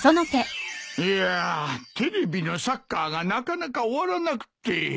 いやテレビのサッカーがなかなか終わらなくて。